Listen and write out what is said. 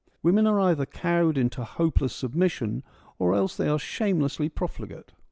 Women are either cowed into hopeless submission or else they are shamelessly profligate.